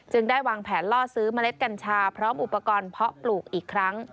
ได้วางแผนล่อซื้อเมล็ดกัญชาพร้อมอุปกรณ์เพาะปลูกอีกครั้ง